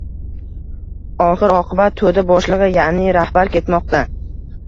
Oxir -oqibat, to'da boshlig'i, ya'ni rahbar ketmoqda